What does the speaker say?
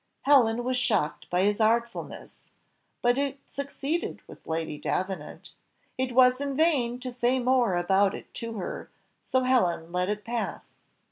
Helen was shocked by his artfulness, but it succeeded with Lady Davenant: it was in vain to say more about it to her, so Helen let it pass.